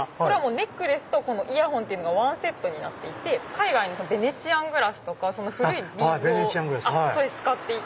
ネックレスとイヤホンがワンセットになっていて海外のベネチアングラスとか古いビーズを使っていて。